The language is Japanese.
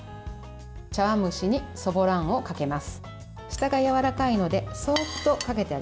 茶わん蒸しにそぼろあんをかけます。